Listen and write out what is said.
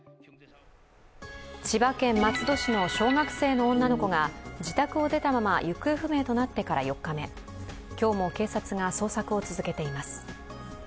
千葉県松戸市の小学生の女の子が、自宅を出たまま行方不明となってから４日目、今日も警察が捜索を続けています。